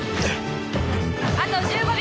あと１５秒！